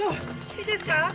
いいですか？